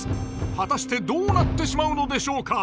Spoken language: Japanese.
果たしてどうなってしまうのでしょうか？